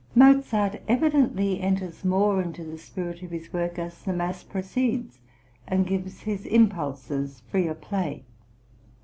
Mozart evidently enters more into the spirit of his work as the mass proceeds, and gives his impulses freer play.